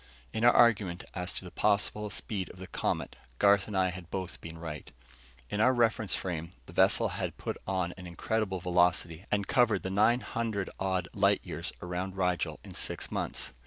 In our argument as to the possible speed of the Comet, Garth and I had both been right. In our reference frame, the vessel had put on an incredible velocity, and covered the nine hundred odd light years around Rigel in six months.